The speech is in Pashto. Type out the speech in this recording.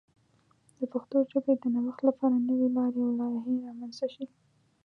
د پښتو ژبې د نوښت لپاره نوې لارې او لایحې رامنځته شي.